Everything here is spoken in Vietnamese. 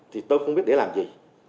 thì tôi không biết để làm gì